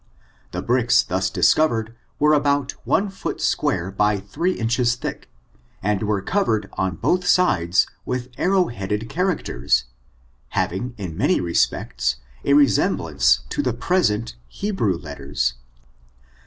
The bricks thus discovered were about one foot square by three inches thick, and were cov ered on both sides with arrow headed characters, having, in many respects, a resemblance to the pres ent Hebrew letters.